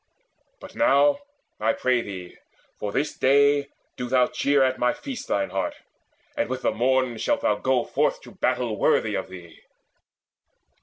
But now, I pray thee, for this day do thou Cheer at my feast thine heart, and with the morn Shalt thou go forth to battle worthy of thee."